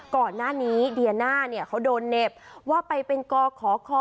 ก่อนหน้านี้เดียน่าเนี่ยเขาโดนเหน็บว่าไปเป็นกขอคอ